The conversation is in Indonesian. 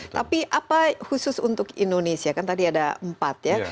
tapi apa khusus untuk indonesia kan tadi ada empat ya